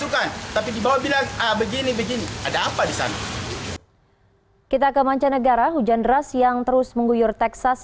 kita kemancanegara hujan deras yang terus mengguyur texas